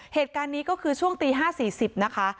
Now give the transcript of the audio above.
เหตุการณ์นี้ก็คือช่วงตี๕๔๐นะคะ